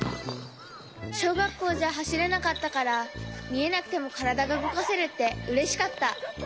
しょうがっこうじゃはしれなかったからみえなくてもからだがうごかせるってうれしかった。